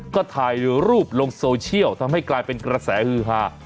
ก็ถ่ายรูปลงโซเชียลทำให้กลายเป็นกระแสฮือฮา